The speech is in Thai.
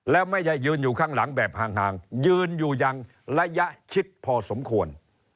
แล้วไม่ได้ยืนอยู่ข้างหลังแบบห่างยืนอยู่อย่างระยะชิดพอสมควร